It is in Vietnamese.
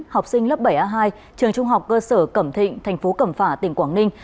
học sinh lớp bảy a hai trường trung học cơ sở cẩm thịnh thành phố cẩm phả tỉnh quảng ninh